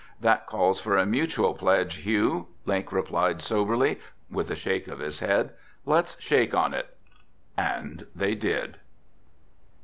"That calls for a mutual pledge, Hugh," Link replied soberly, with a shake of his head. "Let's shake on it." And they did.